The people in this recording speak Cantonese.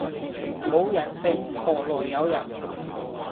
冇人性何來有人